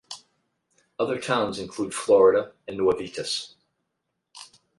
Other towns include Florida and Nuevitas.